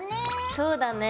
そうだね。